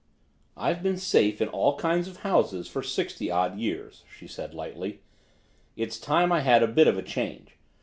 "I've been safe in all kinds of houses for sixty odd years," she said lightly. "It's time I had a bit of a change.